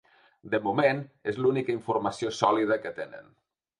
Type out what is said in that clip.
De moment, és l’única informació sòlida que tenen.